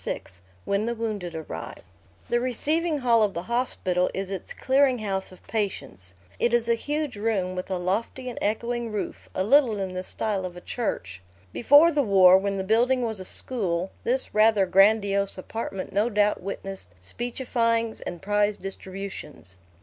VI WHEN THE WOUNDED ARRIVE The receiving hall of the hospital is its clearing house of patients. It is a huge room, with a lofty and echoing roof, a little in the style of a church. Before the war, when the building was a school, this rather grandiose apartment no doubt witnessed speechifyings and prize distributions.